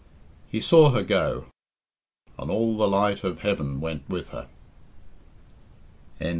He saw her go, and all the light of heaven went with her. VIII.